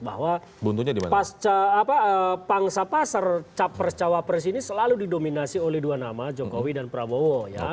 bahwa pasca pangsa pasar capres cawapres ini selalu didominasi oleh dua nama jokowi dan prabowo